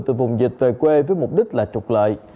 từ vùng dịch về quê với mục đích là trục lợi